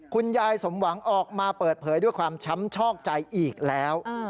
คุณยายสมหวังออกมาเปิดเผยด้วยความช้ำชอกใจอีกแล้ว